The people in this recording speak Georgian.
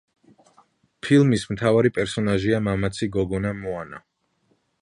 ფილმის მთავარი პერსონაჟია მამაცი გოგონა მოანა.